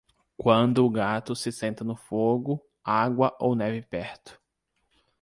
Quando o gato se senta no fogo, água ou neve perto.